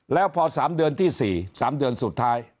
แล้วพอ๓เดือนที่๔๓เดือนสุดท้าย